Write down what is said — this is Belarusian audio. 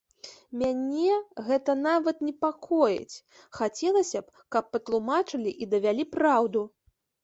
Мяне гэта нават непакоіць, хацелася б, каб патлумачылі і давялі праўду.